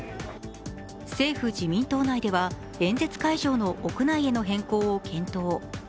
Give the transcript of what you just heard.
政府・自民党内では演説会場の屋内への変更を検討。